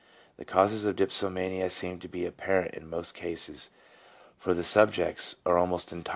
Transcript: The causes of dipsomania seem to be apparent in most cases, for the subjects are almost entirely nervous 1 R.